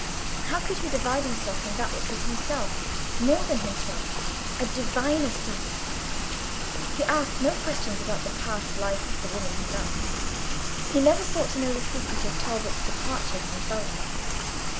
How could he divide himself from that which was himself more than himself a diviner self? He asked no questions about the past life of the woman he loved. He never sought to know the secret of Talbot's departure from Felden.